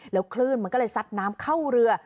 แล้วคลื่นมันก็เลยซัดน้ำเข้าเรือ